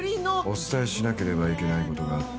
お伝えしなければいけないことがあって。